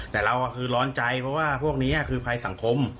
แต่เราคือร้อนใจเพราะว่าพวกนี้คือภัยสังคม